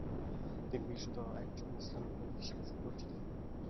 তিনি বিশেষত একজন ইসলামি পণ্ডিত হিসেবে সুপরিচিত ।